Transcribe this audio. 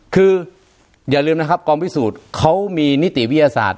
คืออย่าลืมนะครับกองพิสูจน์เขามีนิติวิทยาศาสตร์